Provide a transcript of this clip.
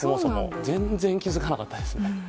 全然気づかなかったです。